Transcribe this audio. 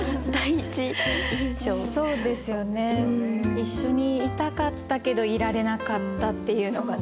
一緒にいたかったけどいられなかったっていうのがね。